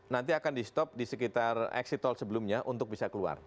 nanti akan di stop di sekitar exit tol sebelumnya untuk bisa keluar